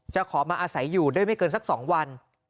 ขอมาอาศัยอยู่ด้วยไม่เกินสัก๒วัน